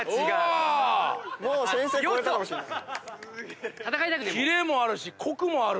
もう先生超えたかもしんない。